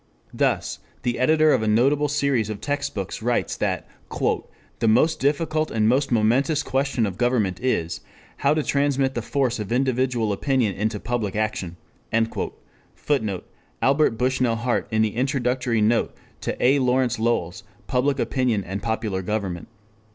Thus the editor of a notable series of text books writes that "the most difficult and the most momentous question of government (is) how to transmit the force of individual opinion into public action." [Footnote: Albert Bushnell Hart in the Introductory note to A. Lawrence Lowell's _Public Opinion and Popular Government.